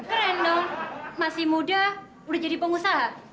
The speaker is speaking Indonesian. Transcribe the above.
keren dong masih muda udah jadi pengusaha